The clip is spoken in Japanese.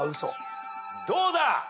どうだ？